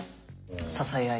支え合い。